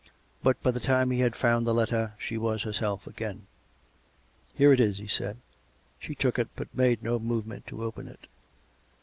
... But by the time he had found the letter she was herself again. " Here it is," he said. She took it; but made no movement to open it.